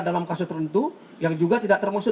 dalam kasus tertentu yang juga tidak termasuk